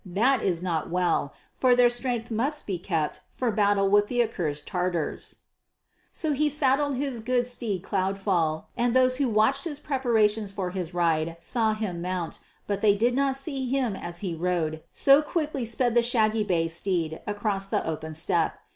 That is not well, for their strength must be kept for battle with accursed Tatars." So he saddled his good steed Cloudfall, and those who watched his preparations for his ride saw him mount, but they did not see him as he rode, so quickly sped the shaggy bay steed across the open steppe.